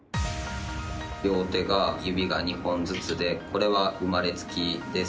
両手が、指が２本ずつでこれは生まれつきです。